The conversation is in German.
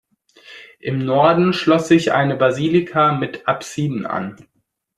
Im Norden schloss sich eine Basilika mit Apsiden an.